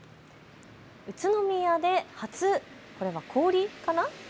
宇都宮で初、これは氷かな？